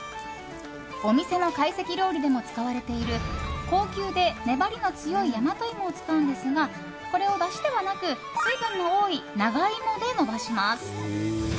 お店の懐石料理でも使われている高級で粘りの強い大和イモを使うのですがこれを、だしではなく水分の多い長イモで伸ばします。